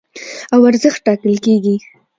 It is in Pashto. او ارزښت ټاکل کېږي.